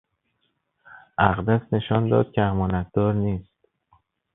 اقدس نشان داد که امانتدار نیست.